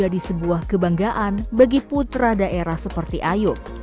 di bawah kota murti ayub